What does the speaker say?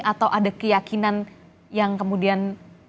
atau ada keyakinan yang kemudian